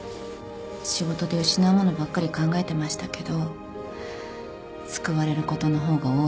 仕事で失うものばっかり考えてましたけど救われることの方が多いなって。